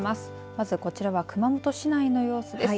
まずこちらは熊本市内の様子です。